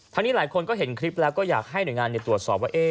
นี้หลายคนก็เห็นคลิปแล้วก็อยากให้หน่วยงานตรวจสอบว่า